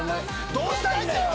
どうしたいんだよ！